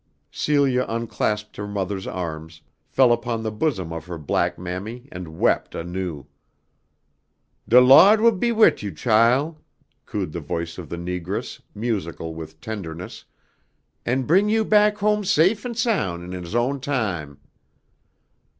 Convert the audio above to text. Celia unclasped her mother's arms, fell upon the bosom of her black Mammy and wept anew. "De Lawd be wid you, chile," cooed the voice of the negress, musical with tenderness, "an' bring you back home safe an' soun' in His own time."